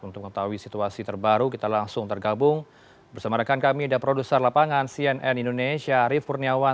untuk mengetahui situasi terbaru kita langsung tergabung bersama rekan kami dan produser lapangan cnn indonesia arief kurniawan